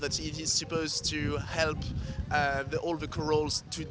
dan itulah hasil petunjuk kita untuk hari pertama